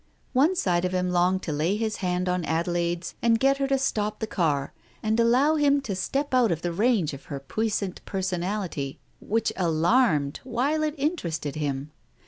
One side of him longed to lay his hand on Adelaide's and get her to stop the car, and allow him to step out of the range of her puissant personality, which alarmed while it interested him.